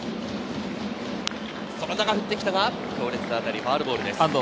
振ってきたが強烈な当たり、ファウルボールです。